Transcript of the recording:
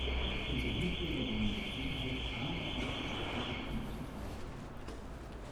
Unsere Mitbürger wollen mehr Sicherheit, aber auch die Achtung der öffentlichen Freiheiten.